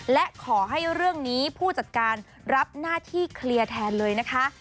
และขอให้เรื่องนี้ผู้จัดการรับหน้าที่เคลียร์แทนเลยนะคะ